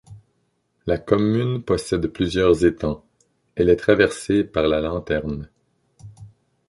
La commune possède plusieurs étangs, elle est traversée par la Lanterne.